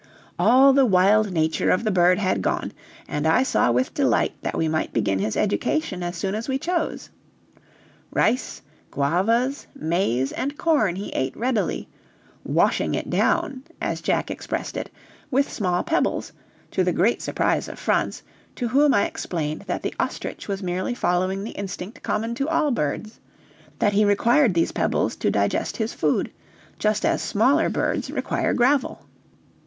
All the wild nature of the bird had gone, and I saw with delight that we might begin his education as soon as we chose. Rice, guavas, maize, and corn he ate readily washing it down, as Jack expressed it, with small pebbles, to the great surprise of Franz, to whom I explained that the ostrich was merely following the instinct common to all birds; that he required these pebbles to digest his food, just as smaller birds require gravel.